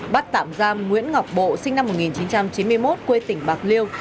bắt tạm giam nguyễn ngọc bộ sinh năm một nghìn chín trăm chín mươi một quê tỉnh bạc liêu